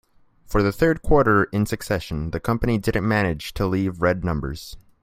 For the third quarter in succession, the company didn't manage to leave red numbers.